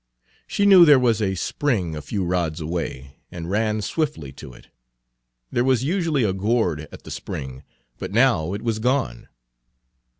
She knew there was a spring a few rods away, and ran swiftly to it. There was usually a gourd at the spring, but now it was gone.